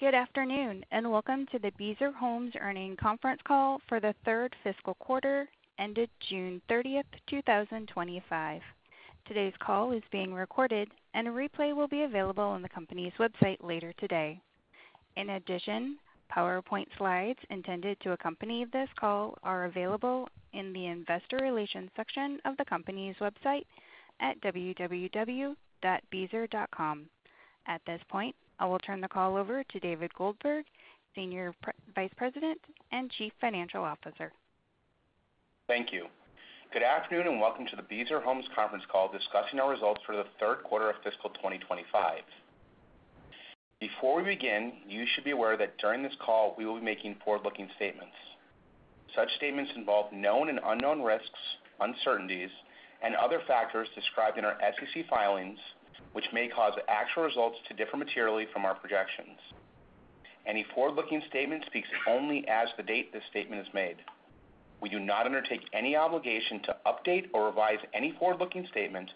Good afternoon and welcome to the Beazer Homes earnings conference call for the third fiscal quarter ended June 30th, 2025. Today's call is being recorded, and a replay will be available on the company's website later today. In addition, PowerPoint slides intended to accompany this call are available in the investor relations section of the company's website at www.beazer.com. At this point, I will turn the call over to David Goldberg, Senior Vice President and Chief Financial Officer. Thank you. Good afternoon and welcome to the Beazer Homes conference call discussing our results for the third quarter of fiscal 2025. Before we begin, you should be aware that during this call, we will be making forward-looking statements. Such statements involve known and unknown risks, uncertainties, and other factors described in our SEC filings, which may cause actual results to differ materially from our projections. Any forward-looking statement speaks only as of the date this statement is made. We do not undertake any obligation to update or revise any forward-looking statement,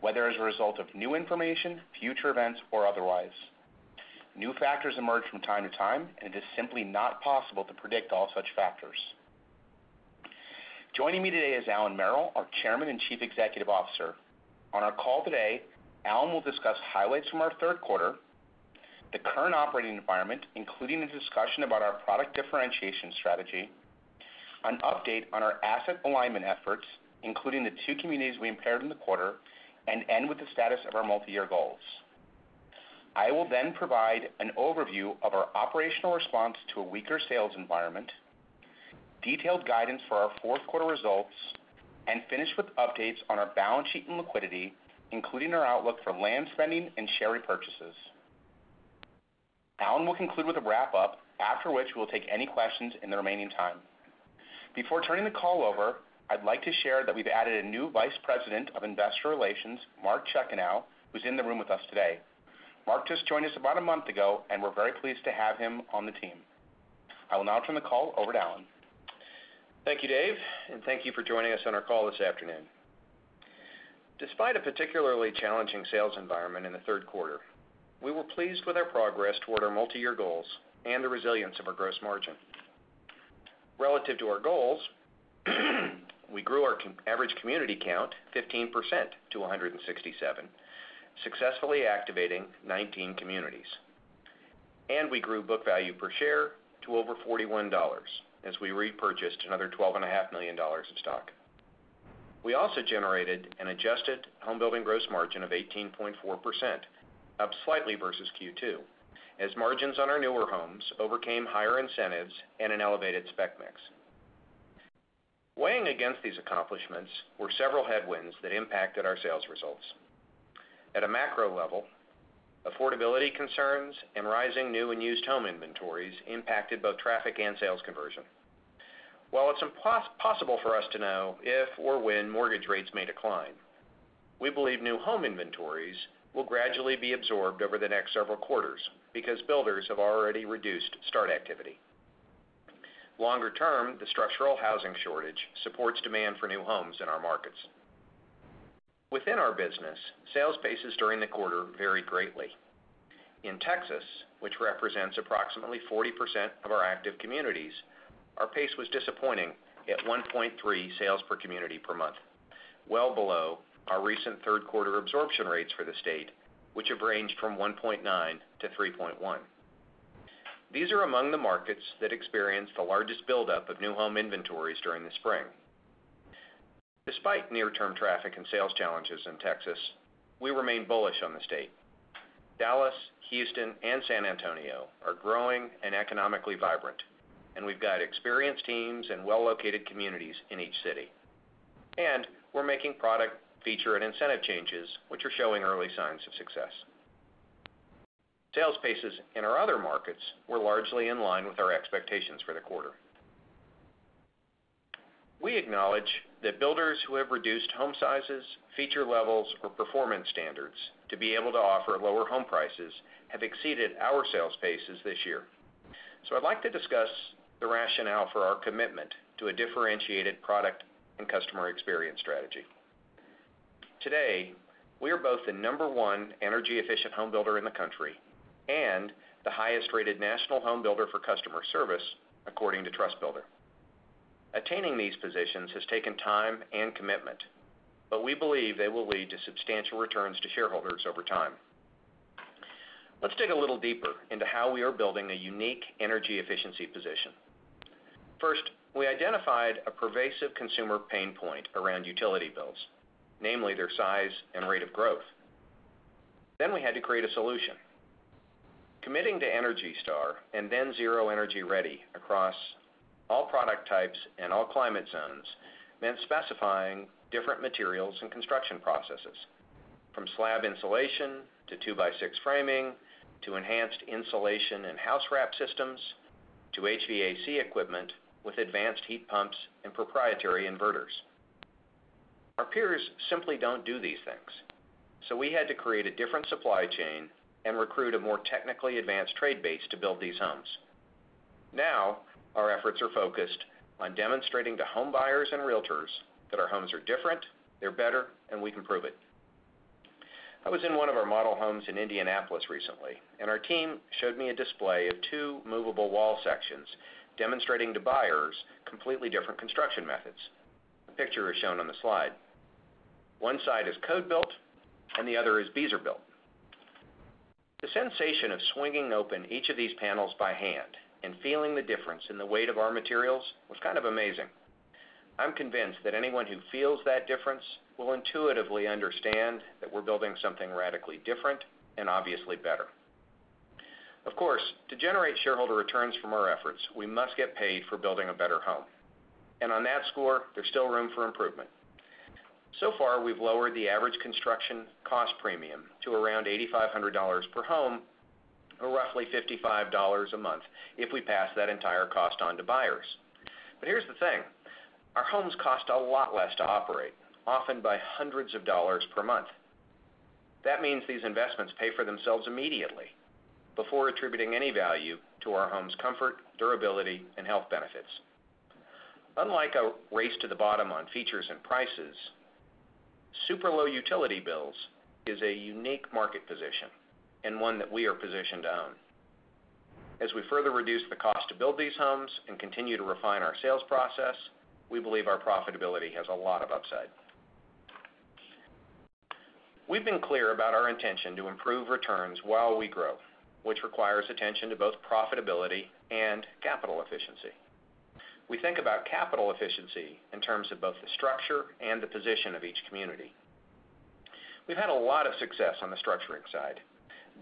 whether as a result of new information, future events, or otherwise. New factors emerge from time to time, and it is simply not possible to predict all such factors. Joining me today is Allan Merrill, our Chairman and Chief Executive Officer. On our call today, Allan will discuss highlights from our third quarter, the current operating environment, including a discussion about our product differentiation strategy, an update on our asset alignment efforts, including the two communities we impaired in the quarter, and end with the status of our multi-year goals. I will then provide an overview of our operational response to a weaker sales environment, detailed guidance for our fourth quarter results, and finish with updates on our balance sheet and liquidity, including our outlook for land spending and share repurchases. Allan will conclude with a wrap-up, after which we will take any questions in the remaining time. Before turning the call over, I'd like to share that we've added a new Vice President of Investor Relations, Mark Chekanow, who's in the room with us today. Mark just joined us about a month ago, and we're very pleased to have him on the team. I will now turn the call over to Allan. Thank you, Dave, and thank you for joining us on our call this afternoon. Despite a particularly challenging sales environment in the third quarter, we were pleased with our progress toward our multi-year goals and the resilience of our gross margin. Relative to our goals, we grew our average community count 15% to 167%, successfully activating 19 communities. We grew book value per share to over $41, as we repurchased another $12.5 million of stock. We also generated an adjusted homebuilding gross margin of 18.4%, up slightly vs Q2, as margins on our newer homes overcame higher incentives and an elevated spec home mix. Weighing against these accomplishments were several headwinds that impacted our sales results. At a macro level, affordability concerns and rising new and used home inventories impacted both traffic and sales conversion. While it's impossible for us to know if or when mortgage rates may decline, we believe new home inventories will gradually be absorbed over the next several quarters because builders have already reduced start activity. Longer term, the structural housing shortage supports demand for new homes in our markets. Within our business, sales paces during the quarter varied greatly. In Texas, which represents approximately 40% of our active communities, our pace was disappointing at 1.3 sales per community per month, well below our recent third quarter absorption rates for the state, which have ranged from 1.9-3.1. These are among the markets that experienced the largest buildup of new home inventories during the spring. Despite near-term traffic and sales challenges in Texas, we remain bullish on the state. Dallas, Houston, and San Antonio are growing and economically vibrant, and we've got experienced teams and well-located communities in each city. We are making product, feature, and incentive changes, which are showing early signs of success. Sales paces in our other markets were largely in line with our expectations for the quarter. We acknowledge that builders who have reduced home sizes, feature levels, or performance standards to be able to offer lower home prices have exceeded our sales paces this year. I'd like to discuss the rationale for our commitment to a differentiated product and customer experience strategy. Today, we are both the number one energy-efficient home builder in the country and the highest rated national home builder for customer service, according to TrustBuilder. Attaining these positions has taken time and commitment, but we believe they will lead to substantial returns to shareholders over time. Let's dig a little deeper into how we are building a unique energy efficiency position. First, we identified a pervasive consumer pain point around utility bills, namely their size and rate of growth. Then we had to create a solution. Committing to ENERGY STAR and then Zero Energy Ready across all product types and all climate zones meant specifying different materials and construction processes, from slab insulation to 2x6 framing to enhanced insulation and house wrap systems to HVAC equipment with advanced heat pumps and proprietary inverters. Our peers simply don't do these things, so we had to create a different supply chain and recruit a more technically advanced trade base to build these homes. Now, our efforts are focused on demonstrating to home buyers and realtors that our homes are different, they're better, and we can prove it. I was in one of our model homes in Indianapolis recently, and our team showed me a display of two movable wall sections demonstrating to buyers completely different construction methods. The picture is shown on the slide. One side is code-built, and the other is Beazer-built. The sensation of swinging open each of these panels by hand and feeling the difference in the weight of our materials was kind of amazing. I'm convinced that anyone who feels that difference will intuitively understand that we're building something radically different and obviously better. Of course, to generate shareholder returns from our efforts, we must get paid for building a better home. On that score, there's still room for improvement. So far, we've lowered the average construction cost premium to around $8,500 per home, or roughly $55 a month if we pass that entire cost on to buyers. Here's the thing. Our homes cost a lot less to operate, often by hundreds of dollars per month. That means these investments pay for themselves immediately before attributing any value to our homes' comfort, durability, and health benefits. Unlike a race to the bottom on features and prices, super low utility bills is a unique market position and one that we are positioned to own. As we further reduce the cost to build these homes and continue to refine our sales process, we believe our profitability has a lot of upside. We've been clear about our intention to improve returns while we grow, which requires attention to both profitability and capital efficiency. We think about capital efficiency in terms of both the structure and the position of each community. We've had a lot of success on the structuring side,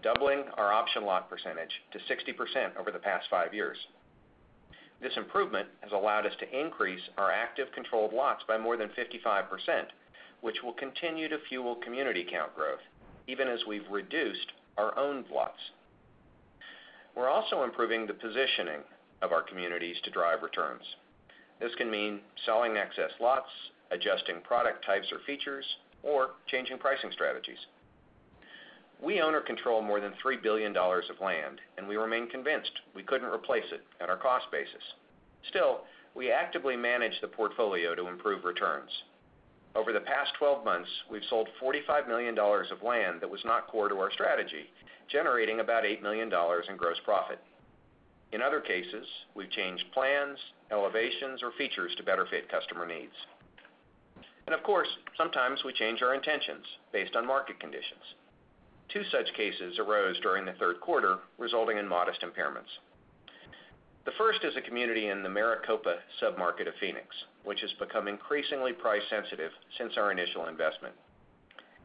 doubling our option lot percentage to 60% over the past five years. This improvement has allowed us to increase our active controlled lots by more than 55%, which will continue to fuel community count growth, even as we've reduced our owned lots. We're also improving the positioning of our communities to drive returns. This can mean selling excess lots, adjusting product types or features, or changing pricing strategies. We own or control more than $3 billion of land, and we remain convinced we couldn't replace it at our cost basis. Still, we actively manage the portfolio to improve returns. Over the past 12 months, we've sold $45 million of land that was not core to our strategy, generating about $8 million in gross profit. In other cases, we've changed plans, elevations, or features to better fit customer needs. Of course, sometimes we change our intentions based on market conditions. Two such cases arose during the third quarter, resulting in modest impairments. The first is a community in the Maricopa submarket of Phoenix, which has become increasingly price sensitive since our initial investment.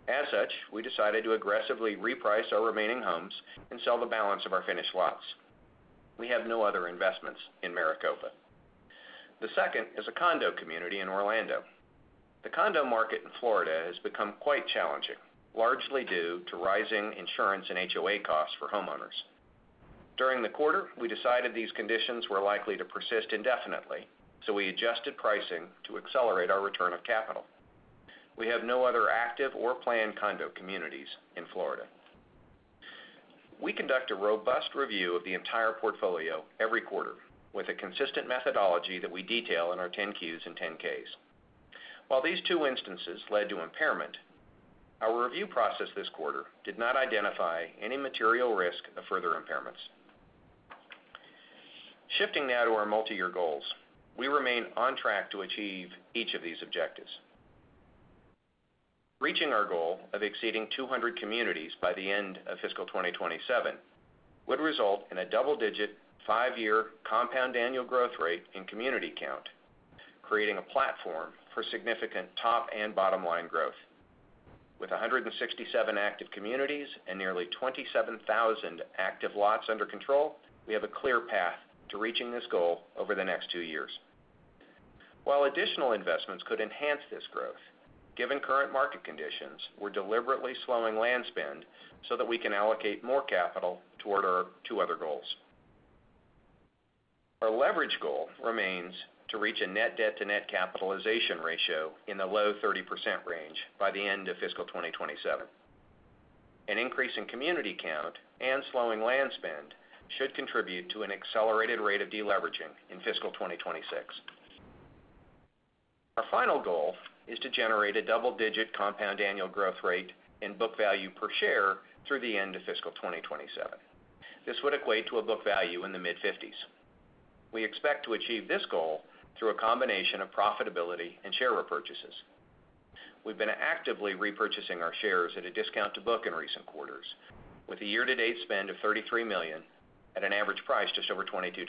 As such, we decided to aggressively reprice our remaining homes and sell the balance of our finished lots. We have no other investments in Maricopa. The second is a condo community in Orlando. The condo market in Florida has become quite challenging, largely due to rising insurance and HOA costs for homeowners. During the quarter, we decided these conditions were likely to persist indefinitely, so we adjusted pricing to accelerate our return of capital. We have no other active or planned condo communities in Florida. We conduct a robust review of the entire portfolio every quarter with a consistent methodology that we detail in our 10-Qs and 10-Ks. While these two instances led to impairment, our review process this quarter did not identify any material risk of further impairments. Shifting now to our multi-year goals, we remain on track to achieve each of these objectives. Reaching our goal of exceeding 200 communities by the end of fiscal 2027 would result in a double-digit five-year compound annual growth rate in community count, creating a platform for significant top and bottom line growth. With 167 active communities and nearly 27,000 active lots under control, we have a clear path to reaching this goal over the next two years. While additional investments could enhance this growth, given current market conditions, we're deliberately slowing land spend so that we can allocate more capital toward our two other goals. Our leverage goal remains to reach a net debt-to-net capitalization ratio in the low 30% range by the end of fiscal 2027. An increase in community count and slowing land spend should contribute to an accelerated rate of deleveraging in fiscal 2026. Our final goal is to generate a double-digit compound annual growth rate in book value per share through the end of fiscal 2027. This would equate to a book value in the mid-50s. We expect to achieve this goal through a combination of profitability and share repurchases. We've been actively repurchasing our shares at a discount to book in recent quarters, with a year-to-date spend of $33 million at an average price just over $22.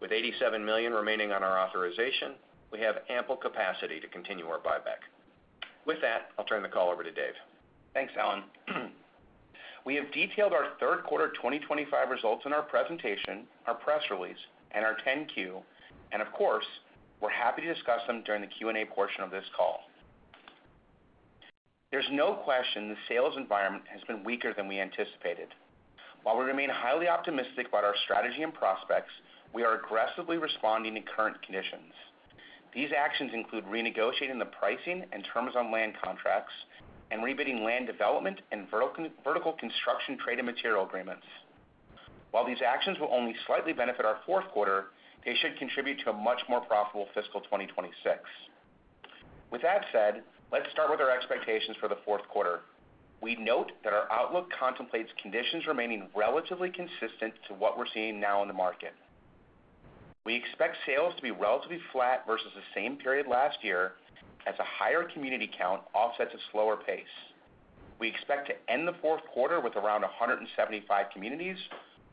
With $87 million remaining on our authorization, we have ample capacity to continue our buyback. With that, I'll turn the call over to Dave. Thanks, Allan. We have detailed our third quarter 2025 results in our presentation, our press release, and our 10-Q, and of course, we're happy to discuss them during the Q&A portion of this call. There's no question the sales environment has been weaker than we anticipated. While we remain highly optimistic about our strategy and prospects, we are aggressively responding to current conditions. These actions include renegotiating the pricing and terms on land contracts and rebidding land development and vertical construction trade and material agreements. While these actions will only slightly benefit our fourth quarter, they should contribute to a much more profitable fiscal 2026. With that said, let's start with our expectations for the fourth quarter. We note that our outlook contemplates conditions remaining relatively consistent to what we're seeing now in the market. We expect sales to be relatively flat vs the same period last year, as a higher community count offsets a slower pace. We expect to end the fourth quarter with around 175 communities,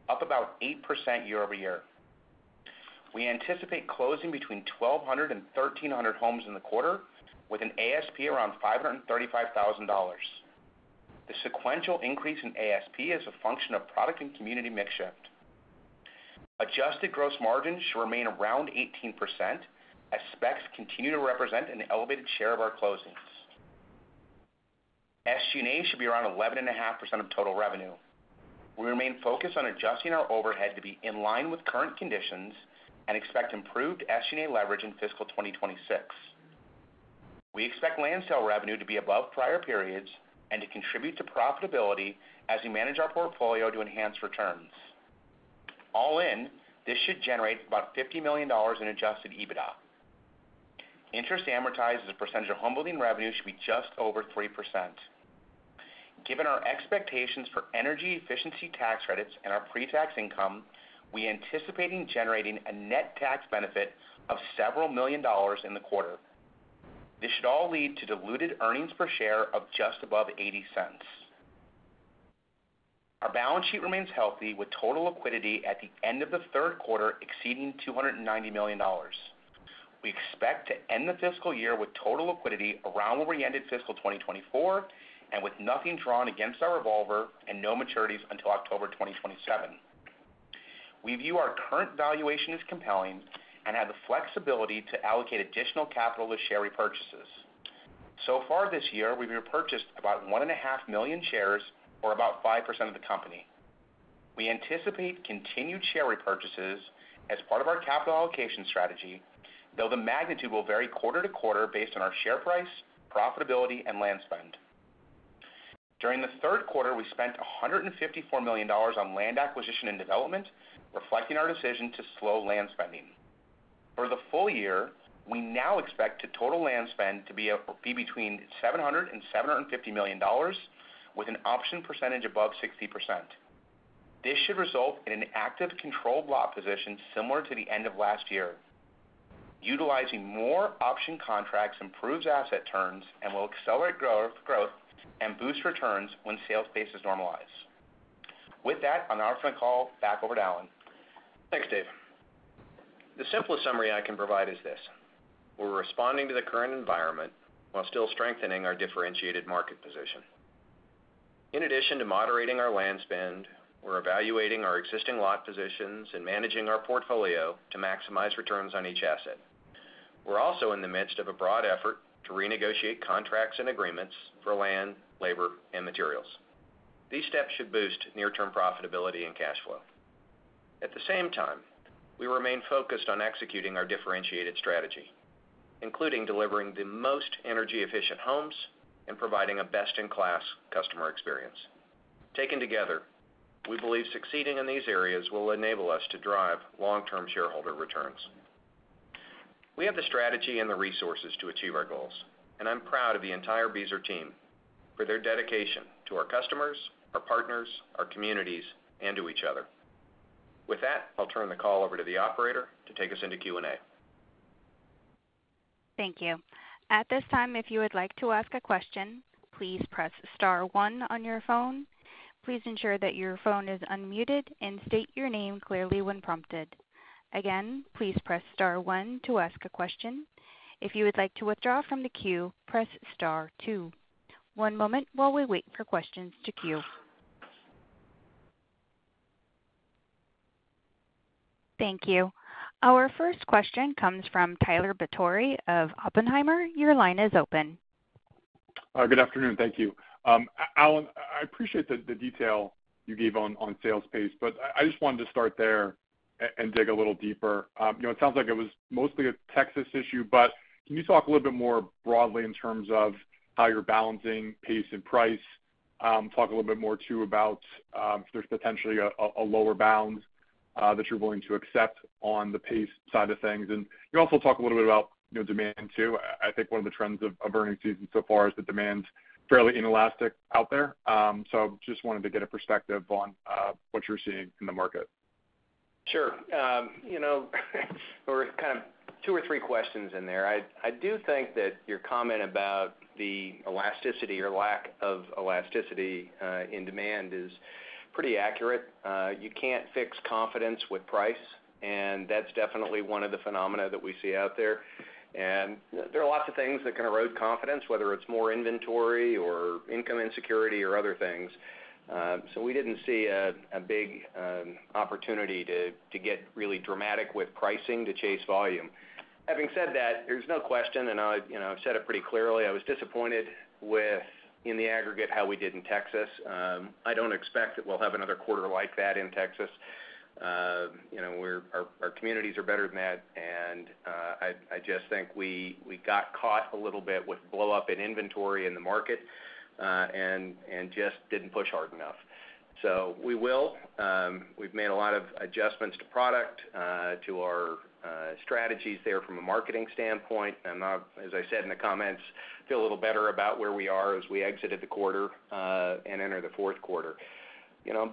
up about 8% year-over-year. We anticipate closing between 1,200 and 1,300 homes in the quarter, with an ASP around $535,000. The sequential increase in ASP is a function of product and community mix shift. Adjusted gross margins should remain around 18%, as specs continue to represent an elevated share of our closings. SG&A should be around 11.5% of total revenue. We remain focused on adjusting our overhead to be in line with current conditions and expect improved SG&A leverage in fiscal 2026. We expect land sale revenue to be above prior periods and to contribute to profitability as we manage our portfolio to enhance returns. All in, this should generate about $50 million in adjusted EBITDA. Interest amortized as a percentage of homebuilding revenue should be just over 3%. Given our expectations for energy efficiency tax credits and our pre-tax income, we're anticipating generating a net tax benefit of several million dollars in the quarter. This should all lead to diluted earnings per share of just above $0.80. Our balance sheet remains healthy, with total liquidity at the end of the third quarter exceeding $290 million. We expect to end the fiscal year with total liquidity around where we ended fiscal 2024 and with nothing drawn against our revolver and no maturities until October 2027. We view our current valuation as compelling and have the flexibility to allocate additional capital to share repurchases. So far this year, we've repurchased about 1.5 million shares or about 5% of the company. We anticipate continued share repurchases as part of our capital allocation strategy, though the magnitude will vary quarter-to-quarter based on our share price, profitability, and land spend. During the third quarter, we spent $154 million on land acquisition and development, reflecting our decision to slow land spending. For the full year, we now expect the total land spend to be between $700 and $750 million, with an option percentage above 60%. This should result in an active controlled lot position similar to the end of last year. Utilizing more option contracts improves asset turns and will accelerate growth and boost returns when sales bases normalize. With that, on the outfit call, back over to Allan. Thanks, Dave. The simplest summary I can provide is this: we're responding to the current environment while still strengthening our differentiated market position. In addition to moderating our land spend, we're evaluating our existing lot positions and managing our portfolio to maximize returns on each asset. We're also in the midst of a broad effort to renegotiate contracts and agreements for land, labor, and materials. These steps should boost near-term profitability and cash flow. At the same time, we remain focused on executing our differentiated strategy, including delivering the most energy-efficient homes and providing a best-in-class customer experience. Taken together, we believe succeeding in these areas will enable us to drive long-term shareholder returns. We have the strategy and the resources to achieve our goals, and I'm proud of the entire Beazer team for their dedication to our customers, our partners, our communities, and to each other. With that, I'll turn the call over to the operator to take us into Q&A. Thank you. At this time, if you would like to ask a question, please press star one on your phone. Please ensure that your phone is unmuted and state your name clearly when prompted. Again, please press star one to ask a question. If you would like to withdraw from the queue, press star two. One moment while we wait for questions to queue. Thank you. Our first question comes from Tyler Batory of Oppenheimer. Your line is open. Good afternoon. Thank you. Allan, I appreciate the detail you gave on sales pace, but I just wanted to start there and dig a little deeper. It sounds like it was mostly a Texas issue, but can you talk a little bit more broadly in terms of how you're balancing pace and price? Talk a little bit more too about if there's potentially a lower bound that you're willing to accept on the pace side of things. You also talk a little bit about demand too. I think one of the trends of earning seasons so far is that demand is fairly inelastic out there. I just wanted to get a perspective on what you're seeing in the market. Sure. You know, we're kind of two or three questions in there. I do think that your comment about the elasticity or lack of elasticity in demand is pretty accurate. You can't fix confidence with price, and that's definitely one of the phenomena that we see out there. There are lots of things that can erode confidence, whether it's more inventory or income insecurity or other things. We didn't see a big opportunity to get really dramatic with pricing to chase volume. Having said that, there's no question, and I've said it pretty clearly, I was disappointed with, in the aggregate, how we did in Texas. I don't expect that we'll have another quarter like that in Texas. Our communities are better than that, and I just think we got caught a little bit with blow-up in inventory in the market and just didn't push hard enough. We will. We've made a lot of adjustments to product, to our strategies there from a marketing standpoint. I'm not, as I said in the comments, feel a little better about where we are as we exit the quarter and enter the fourth quarter.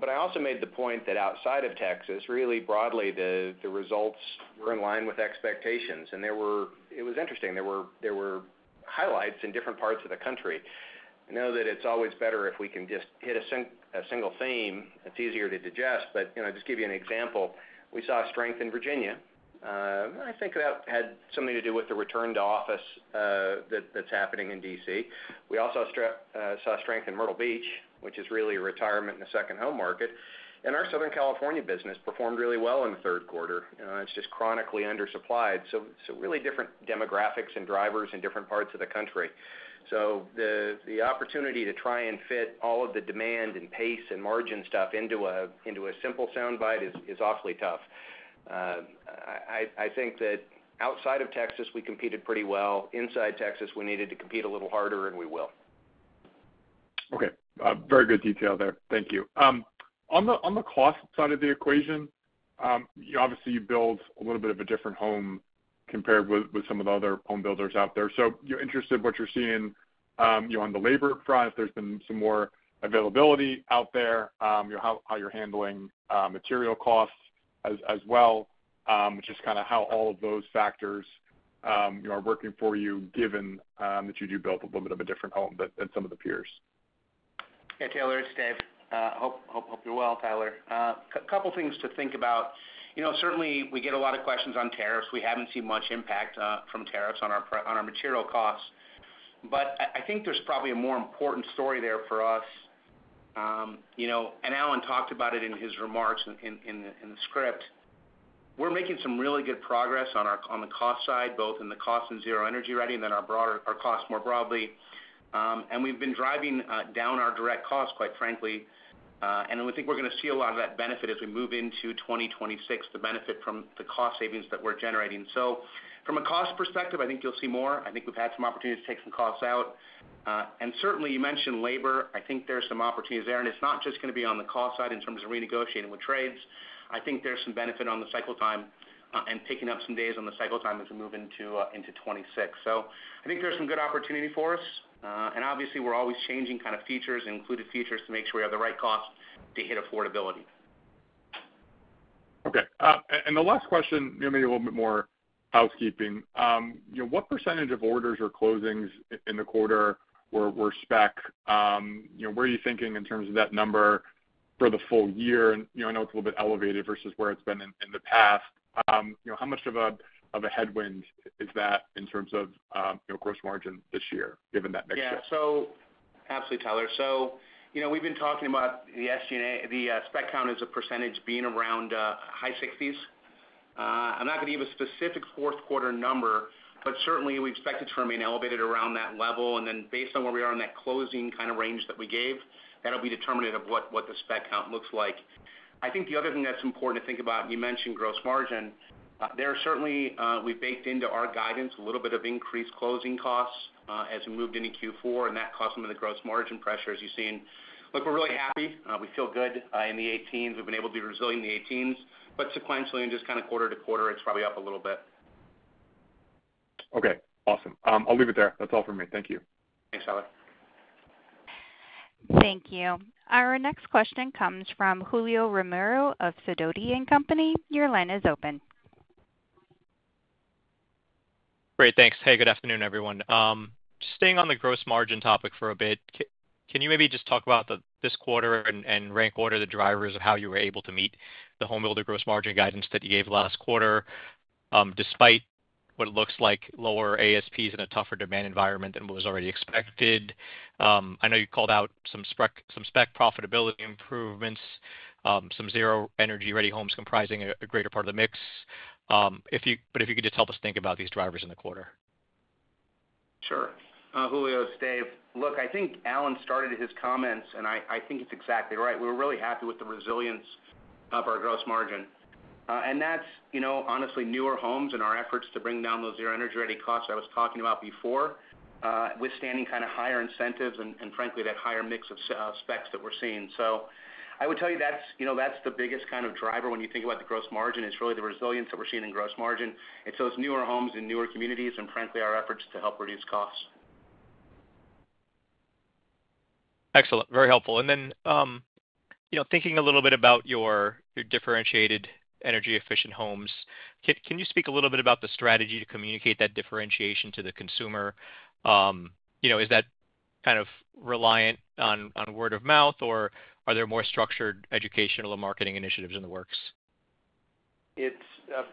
I also made the point that outside of Texas, really broadly, the results were in line with expectations. It was interesting. There were highlights in different parts of the country. I know that it's always better if we can just hit a single theme that's easier to digest, but I'll just give you an example. We saw strength in Virginia. I think that had something to do with the return to office that's happening in D.C. We also saw strength in Myrtle Beach, which is really a retirement and a second home market. Our Southern California business performed really well in the third quarter. It's just chronically undersupplied. Really different demographics and drivers in different parts of the country. The opportunity to try and fit all of the demand and pace and margin stuff into a simple soundbite is awfully tough. I think that outside of Texas, we competed pretty well. Inside Texas, we needed to compete a little harder, and we will. Okay. Very good detail there. Thank you. On the cost side of the equation, you obviously build a little bit of a different home compared with some of the other homebuilders out there. You're interested in what you're seeing on the labor front, if there's been some more availability out there, how you're handling material costs as well, which is kind of how all of those factors are working for you, given that you do build a little bit of a different home than some of the peers? Yeah, Tyler, it's Dave. Hope you're well, Tyler. A couple of things to think about. Certainly, we get a lot of questions on tariffs. We haven't seen much impact from tariffs on our material costs. I think there's probably a more important story there for us. Allan talked about it in his remarks in the script. We're making some really good progress on the cost side, both in the cost of Zero Energy Ready and then our cost more broadly. We've been driving down our direct costs, quite frankly. I think we're going to see a lot of that benefit as we move into 2026, the benefit from the cost savings that we're generating. From a cost perspective, I think you'll see more. We've had some opportunities to take some costs out. Certainly, you mentioned labor. I think there's some opportunities there. It's not just going to be on the cost side in terms of renegotiating with trades. I think there's some benefit on the cycle time and picking up some days on the cycle time as we move into 2026. I think there's some good opportunity for us. Obviously, we're always changing kind of features and included features to make sure we have the right cost to hit affordability. Okay. The last question, maybe a little bit more housekeeping. You know, what percentage of orders or closings in the quarter were spec? You know, what are you thinking in terms of that number for the full year? I know it's a little bit elevated vs where it's been in the past. How much of a headwind is that in terms of gross margin this year, given that mix? Yeah, absolutely, Tyler. You know, we've been talking about the spec count as a percentage being around high 60%. I'm not going to give a specific fourth quarter number, but certainly, we expect it to remain elevated around that level. Based on where we are on that closing kind of range that we gave, that'll be determinative of what the spec count looks like. I think the other thing that's important to think about, you mentioned gross margin. There are certainly, we've baked into our guidance a little bit of increased closing costs as we moved into Q4, and that caused some of the gross margin pressures you've seen. Look, we're really happy. We feel good in the 18s. We've been able to be resilient in the 18s. Sequentially, and just kind of quarter-to-quarter, it's probably up a little bit. Okay. Awesome. I'll leave it there. That's all for me. Thank you. Thanks, Tyler. Thank you. Our next question comes from Julio Romero of Sidoti & Company. Your line is open. Great. Thanks. Hey, good afternoon, everyone. Just staying on the gross margin topic for a bit, can you maybe just talk about this quarter and rank order the drivers of how you were able to meet the homebuilder gross margin guidance that you gave last quarter, despite what it looks like lower ASPs in a tougher demand environment than what was already expected? I know you called out some spec profitability improvements, some Zero Energy Ready Homes comprising a greater part of the mix. If you could just help us think about these drivers in the quarter. Sure. Julio, it's Dave. I think Allan started his comments, and I think it's exactly right. We were really happy with the resilience of our gross margin. That's, honestly, newer homes and our efforts to bring down those Zero Energy Ready costs I was talking about before, withstanding kind of higher incentives and, frankly, that higher mix of specs that we're seeing. I would tell you that's the biggest kind of driver when you think about the gross margin, is really the resilience that we're seeing in gross margin. It's newer homes in newer communities and, frankly, our efforts to help reduce costs. Excellent. Very helpful. Thinking a little bit about your differentiated energy-efficient homes, can you speak a little bit about the strategy to communicate that differentiation to the consumer? Is that kind of reliant on word of mouth, or are there more structured educational and marketing initiatives in the works? It's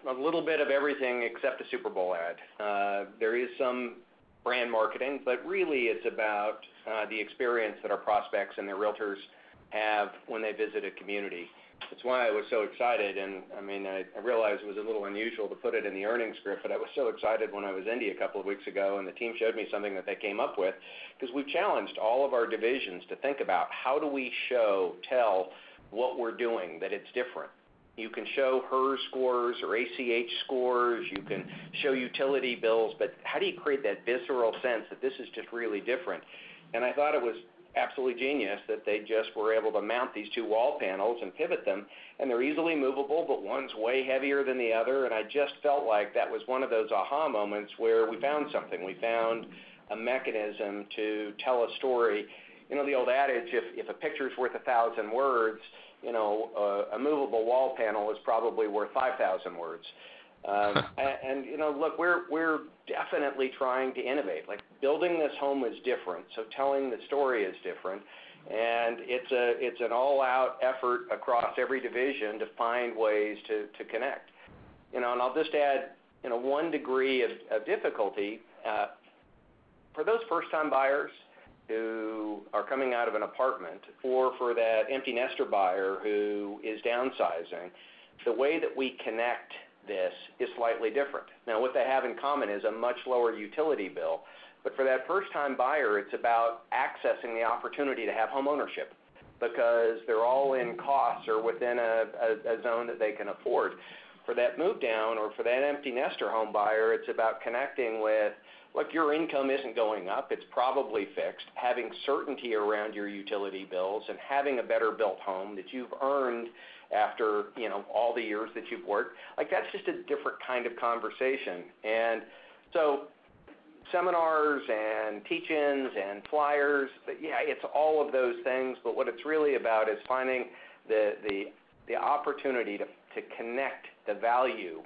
a little bit of everything except a Super Bowl ad. There is some brand marketing, but really, it's about the experience that our prospects and their realtors have when they visit a community. That's why I was so excited. I realized it was a little unusual to put it in the earnings script, but I was so excited when I was in a couple of weeks ago and the team showed me something that they came up with because we challenged all of our divisions to think about how do we show, tell what we're doing, that it's different. You can show HERS scores or ACH scores. You can show utility bills. How do you create that visceral sense that this is just really different? I thought it was absolutely genius that they just were able to mount these two wall panels and pivot them. They're easily movable, but one's way heavier than the other. I just felt like that was one of those aha moments where we found something. We found a mechanism to tell a story. You know, the old adage, if a picture is worth 1,000 words, a movable wall panel is probably worth 5,000 words. Look, we're definitely trying to innovate. Building this home is different, so telling the story is different. It's an all-out effort across every division to find ways to connect. I'll just add one degree of difficulty for those first-time buyers who are coming out of an apartment or for that empty nester buyer who is downsizing. The way that we connect this is slightly different. What they have in common is a much lower utility bill. For that first-time buyer, it's about accessing the opportunity to have homeownership because their all-in costs are within a zone that they can afford. For that move-down or for that empty nester home buyer, it's about connecting with, look, your income isn't going up. It's probably fixed. Having certainty around your utility bills and having a better built home that you've earned after all the years that you've worked, that's just a different kind of conversation. Seminars and teach-ins and flyers, yeah, it's all of those things. What it's really about is finding the opportunity to connect the value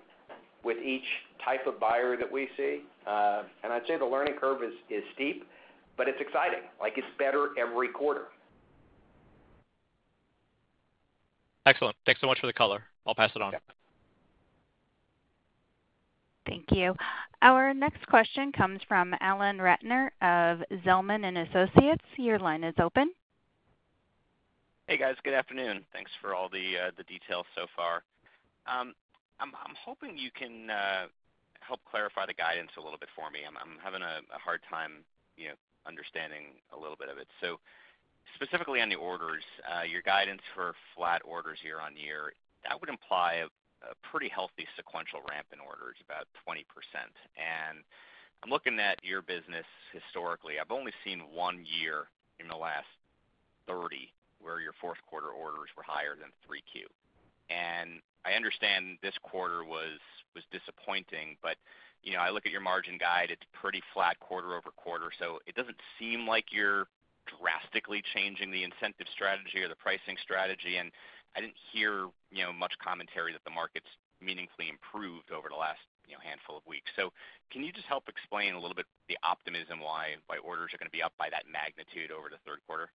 with each type of buyer that we see. I'd say the learning curve is steep, but it's exciting. It's better every quarter. Excellent. Thanks so much for the color. I'll pass it on. Thank you. Our next question comes from Alan Ratner of Zelman & Associates. Your line is open. Hey, guys. Good afternoon. Thanks for all the details so far. I'm hoping you can help clarify the guidance a little bit for me. I'm having a hard time understanding a little bit of it. Specifically on the orders, your guidance for flat orders year-on-year would imply a pretty healthy sequential ramp in orders, about 20%. I'm looking at your business historically. I've only seen one year in the last 30 where your fourth quarter orders were higher than 3Q. I understand this quarter was disappointing, but I look at your margin guide. It's pretty flat quarter-over-quarter. It doesn't seem like you're drastically changing the incentive strategy or the pricing strategy. I didn't hear much commentary that the market's meaningfully improved over the last handful of weeks. Can you just help explain a little bit the optimism why orders are going to be up by that magnitude over the third quarter?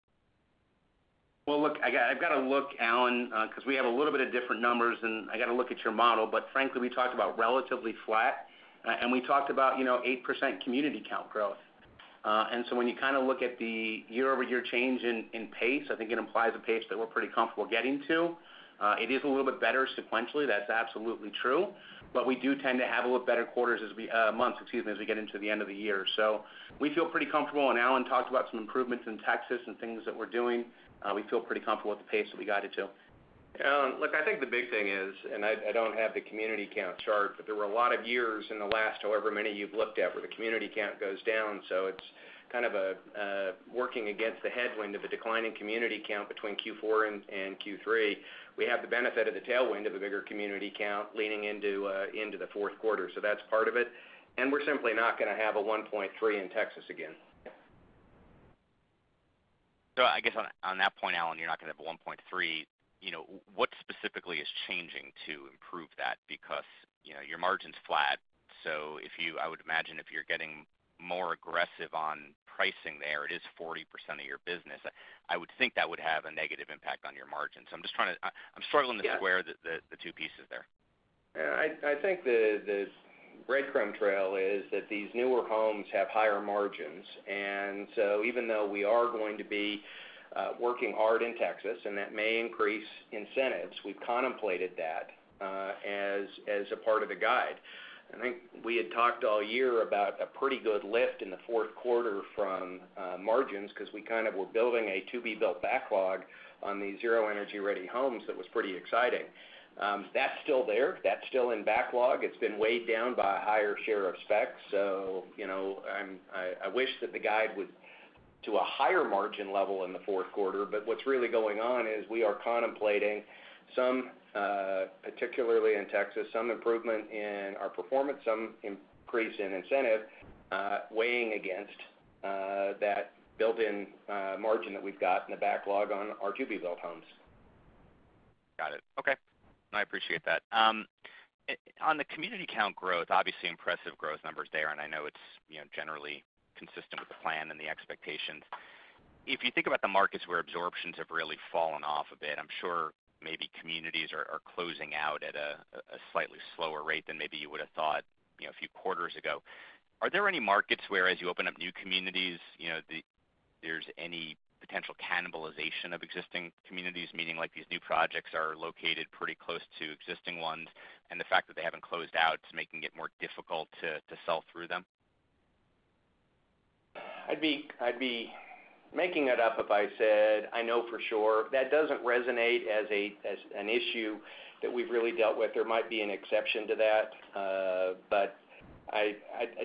I've got to look, Alan, because we have a little bit of different numbers, and I got to look at your model. Frankly, we talked about relatively flat, and we talked about 8% community count growth. When you kind of look at the year-over-year change in pace, I think it implies the pace that we're pretty comfortable getting to. It is a little bit better sequentially. That's absolutely true. We do tend to have a little bit better months as we get into the end of the year. We feel pretty comfortable. Allan talked about some improvements in Texas and things that we're doing. We feel pretty comfortable with the pace that we got it to. Yeah. Look, I think the big thing is, and I don't have the community count chart, but there were a lot of years in the last however many you've looked at where the community count goes down. It's kind of a working against the headwind of a declining community count between Q4 and Q3. We have the benefit of the tailwind of a bigger community count leaning into the fourth quarter. That's part of it. We're simply not going to have a 1.3 in Texas again. I guess on that point, Allan, you're not going to have a 1.3. What specifically is changing to improve that? Because your margin's flat. If you're getting more aggressive on pricing there, it is 40% of your business. I would think that would have a negative impact on your margins. I'm just trying to, I'm struggling to square the two pieces there. Yeah, I think the breadcrumb trail is that these newer homes have higher margins. Even though we are going to be working hard in Texas, and that may increase incentives, we've contemplated that as a part of the guide. I think we had talked all year about a pretty good lift in the fourth quarter from margins because we kind of were building a to-be-built backlog on these Zero Energy Ready Homes. That was pretty exciting. That's still there. That's still in backlog. It's been weighed down by a higher share of specs. I wish that the guide would be to a higher margin level in the fourth quarter. What's really going on is we are contemplating some, particularly in Texas, some improvement in our performance, some increase in incentive, weighing against that built-in margin that we've got in the backlog on our to-be-built homes. Got it. Okay. I appreciate that. On the community count growth, obviously impressive growth numbers there. I know it's generally consistent with the plan and the expectations. If you think about the markets where absorptions have really fallen off a bit, I'm sure maybe communities are closing out at a slightly slower rate than maybe you would have thought a few quarters ago. Are there any markets where, as you open up new communities, there's any potential cannibalization of existing communities, meaning like these new projects are located pretty close to existing ones, and the fact that they haven't closed out is making it more difficult to sell through them? I'd be making it up if I said I know for sure. That doesn't resonate as an issue that we've really dealt with. There might be an exception to that. I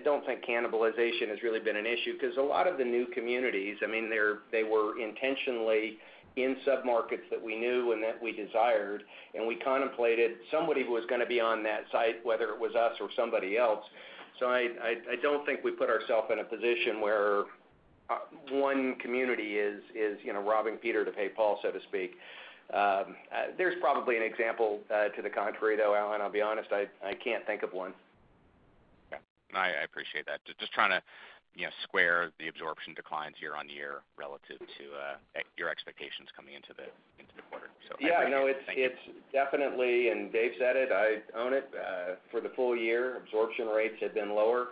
don't think cannibalization has really been an issue because a lot of the new communities were intentionally in submarkets that we knew and that we desired. We contemplated somebody who was going to be on that site, whether it was us or somebody else. I don't think we put ourselves in a position where one community is, you know, robbing Peter to pay Paul, so to speak. There's probably an example to the contrary, though, Alan. I'll be honest, I can't think of one. Yeah, I appreciate that. Just trying to square the absorption declines year-on-year relative to your expectations coming into the quarter. Yeah, no, it's definitely, and Dave said it, I own it for the full year. Absorption rates have been lower.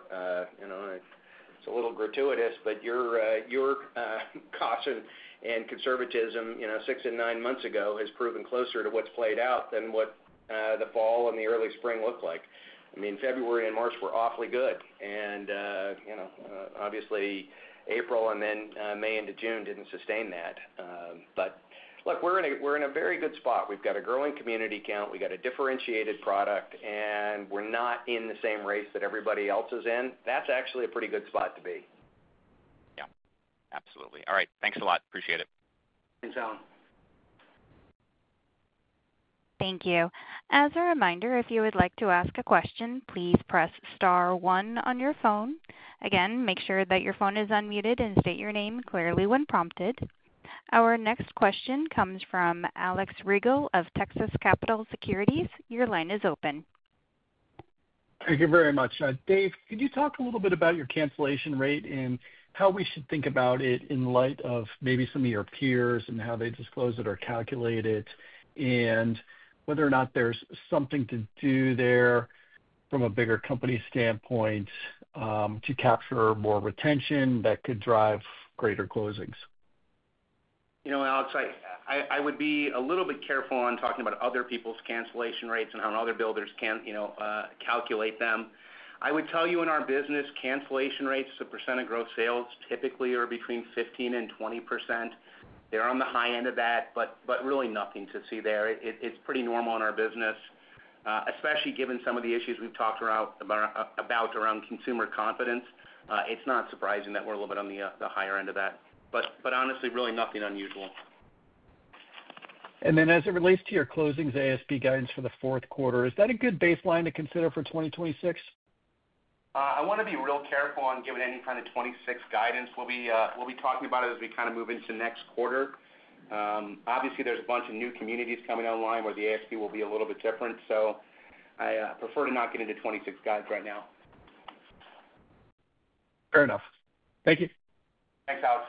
It's a little gratuitous, but your caution and conservatism, six and nine months ago, has proven closer to what's played out than what the fall and the early spring looked like. February and March were awfully good. Obviously, April and then May into June didn't sustain that. Look, we're in a very good spot. We've got a growing community count. We've got a differentiated product, and we're not in the same race that everybody else is in. That's actually a pretty good spot to be. Yeah, absolutely. All right. Thanks a lot. Appreciate it. Thanks, Alan. Thank you. As a reminder, if you would like to ask a question, please press star one on your phone. Again, make sure that your phone is unmuted and state your name clearly when prompted. Our next question comes from Alex Riegel of Texas Capital Securities. Your line is open. Thank you very much. Dave, could you talk a little bit about your cancellation rate and how we should think about it in light of maybe some of your peers and how they disclose it or calculate it, and whether or not there's something to do there from a bigger company standpoint to capture more retention that could drive greater closings? You know, Alex, I would be a little bit careful on talking about other people's cancellation rates and how other builders can, you know, calculate them. I would tell you in our business, cancellation rates as a percent of gross sales typically are between 15% and 20%. They're on the high end of that, but really nothing to see there. It's pretty normal in our business, especially given some of the issues we've talked about around consumer confidence. It's not surprising that we're a little bit on the higher end of that. Honestly, really nothing unusual. As it relates to your closings ASP guidance for the fourth quarter, is that a good baseline to consider for 2026? I want to be real careful on giving any kind of 2026 guidance. We'll be talking about it as we kind of move into next quarter. Obviously, there's a bunch of new communities coming online where the ASP will be a little bit different. I prefer to not get into 2026 guidance right now. Fair enough. Thank you. Thanks, Alex.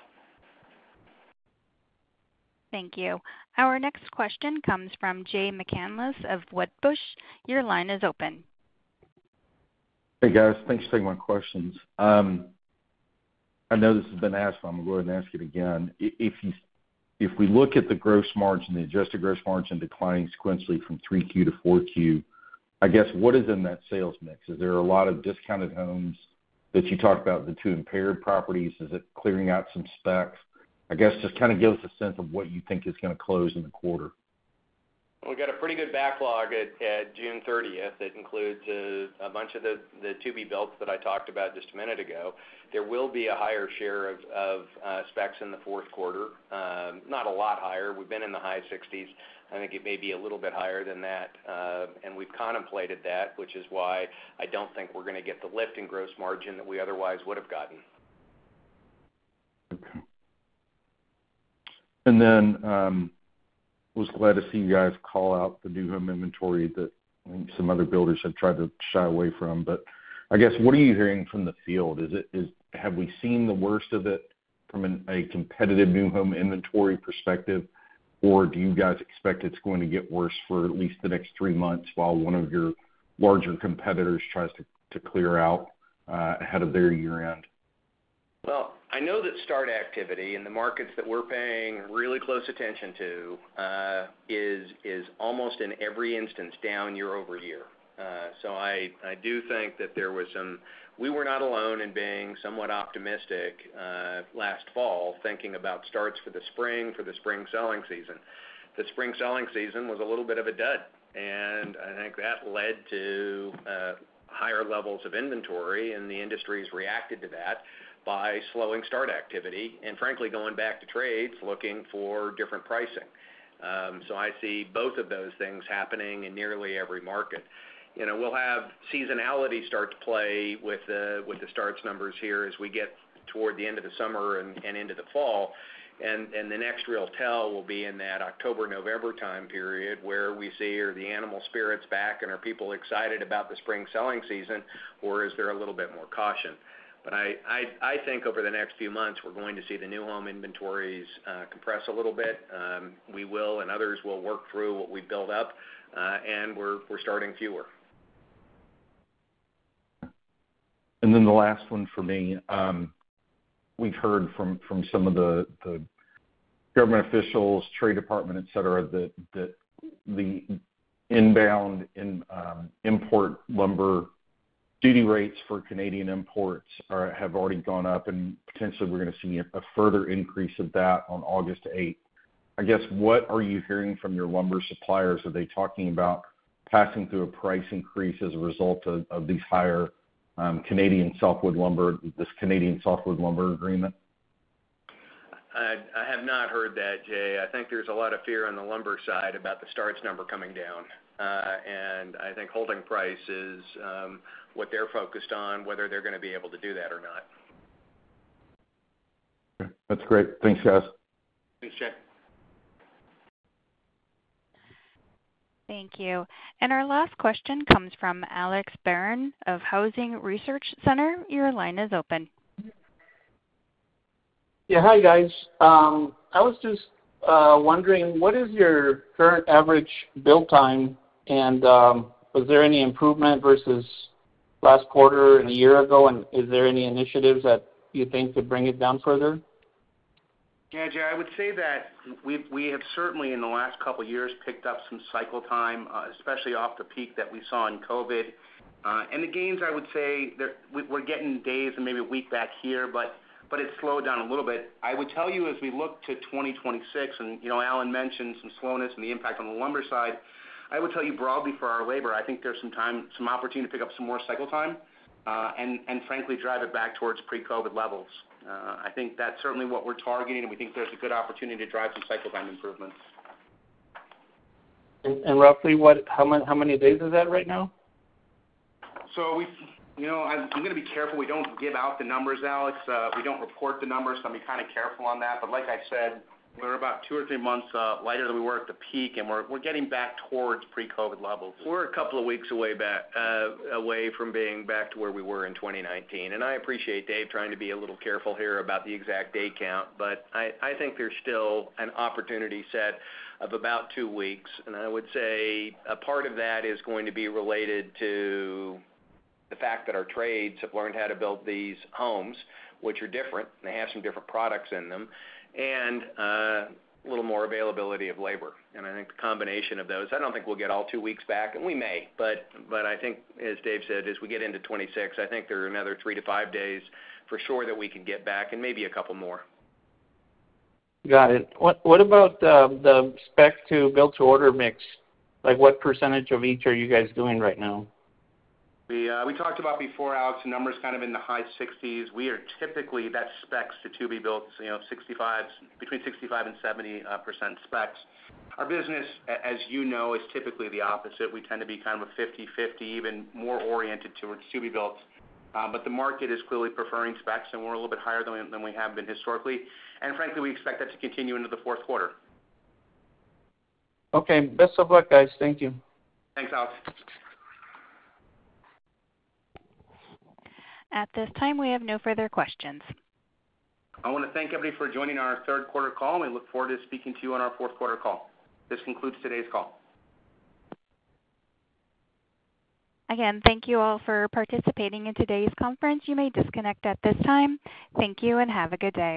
Thank you. Our next question comes from Jay McCanless of Wedbush. Your line is open. Hey, guys. Thanks for taking my questions. I know this has been asked, but I'm going to ask it again. If we look at the gross margin, the adjusted gross margin declining sequentially from 3Q-4Q, I guess what is in that sales mix? Is there a lot of discounted homes that you talked about, the two impaired properties? Is it clearing out some specs? I guess just kind of give us a sense of what you think is going to close in the quarter. We got a pretty good backlog at June 30th. It includes a bunch of the to-be-builts that I talked about just a minute ago. There will be a higher share of specs in the fourth quarter, not a lot higher. We've been in the high 60%, I think it may be a little bit higher than that. We've contemplated that, which is why I don't think we're going to get the lift in gross margin that we otherwise would have gotten. I was glad to see you guys call out the new home inventory that some other builders had tried to shy away from. What are you hearing from the field? Have we seen the worst of it from a competitive new home inventory perspective, or do you guys expect it's going to get worse for at least the next three months while one of your larger competitors tries to clear out ahead of their year-end? Start activity in the markets that we're paying really close attention to is almost in every instance down year-over-year. I do think that there was some, we were not alone in being somewhat optimistic last fall, thinking about starts for the spring selling season. The spring selling season was a little bit of a dud, and I think that led to higher levels of inventory, and the industry has reacted to that by slowing start activity and frankly going back to trades looking for different pricing. I see both of those things happening in nearly every market. We'll have seasonality start to play with the starts numbers here as we get toward the end of the summer and into the fall. The next real tell will be in that October-November time period where we see, are the animal spirits back and are people excited about the spring selling season, or is there a little bit more caution? I think over the next few months, we're going to see the new home inventories compress a little bit. We will and others will work through what we build up, and we're starting fewer. The last one for me, we've heard from some of the government officials, trade department, etc., that the inbound and import lumber duty rates for Canadian imports have already gone up, and potentially we're going to see a further increase of that on August 8th. I guess what are you hearing from your lumber suppliers? Are they talking about passing through a price increase as a result of these higher Canadian Softwood Lumber, this Canadian Softwood Lumber Agreement? I have not heard that, Jay. I think there's a lot of fear on the lumber side about the starts number coming down. I think holding price is what they're focused on, whether they're going to be able to do that or not. Okay. That's great. Thanks, guys. Thanks, Jay. Thank you. Our last question comes from Alex Barron of Housing Research Center. Your line is open. Hi, guys. I was just wondering, what is your current average build time, and was there any improvement vs last quarter and a year ago, and is there any initiatives that you think could bring it down further? Yeah, Jay, I would say that we have certainly, in the last couple of years, picked up some cycle time, especially off the peak that we saw in COVID. The gains, I would say, we're getting days and maybe a week back here, but it's slowed down a little bit. As we look to 2026, and you know Allan mentioned some slowness and the impact on the lumber side, I would tell you broadly for our labor, I think there's some time, some opportunity to pick up some more cycle time, and frankly, drive it back towards pre-COVID levels. I think that's certainly what we're targeting, and we think there's a good opportunity to drive some cycle time improvements. Roughly, how many days is that right now? I'm going to be careful. We don't give out the numbers, Alex. We don't report the numbers, so I'll be kind of careful on that. Like I said, we're about two or three months lighter than we were at the peak, and we're getting back towards pre-COVID levels. We're a couple of weeks away from being back to where we were in 2019. I appreciate Dave trying to be a little careful here about the exact day count, but I think there's still an opportunity set of about two weeks. I would say a part of that is going to be related to the fact that our trades have learned how to build these homes, which are different, and they have some different products in them, and a little more availability of labor. I think the combination of those, I don't think we'll get all two weeks back, and we may, but I think, as Dave said, as we get into 2026, I think there are another 3-5 days for sure that we can get back and maybe a couple more. Got it. What about the spec to build to order mix? Like what percentage of each are you guys doing right now? We talked about before, Alex, the numbers kind of in the high 60%. We are typically that specs to to-be-builts, you know, between 65% and 70% specs. Our business, as you know, is typically the opposite. We tend to be kind of a 50/50, even more oriented towards to-be-builts. The market is clearly preferring specs, and we're a little bit higher than we have been historically. Frankly, we expect that to continue into the fourth quarter. Okay. Best of luck, guys. Thank you. Thanks, Alex. At this time, we have no further questions. I want to thank everybody for joining our third quarter call, and we look forward to speaking to you on our fourth quarter call. This concludes today's call. Again, thank you all for participating in today's conference. You may disconnect at this time. Thank you and have a good day.